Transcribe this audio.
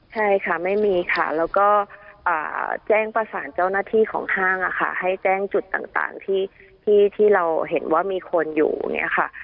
ใช่ค่ะไม่มีค่ะแล้วก็แจ้งประสานเจ้าหน้าที่ของห้างให้แจ้งจุดต่างที่เราเห็นว่ามีคนอยู่เนี่ยค่ะ